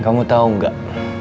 kamu tau nggak